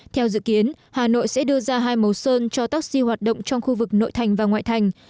theo dự kiến hà nội sẽ đưa ra hai màu sơn cho taxi hoạt động trong khu vực nội thành và ngoại thành